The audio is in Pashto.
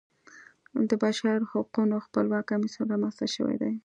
د بشرحقونو خپلواک کمیسیون رامنځته شوی دی.